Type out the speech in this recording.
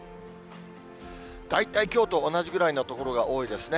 大体きょうと同じぐらいの所が多いですね。